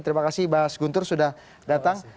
terima kasih mas guntur sudah datang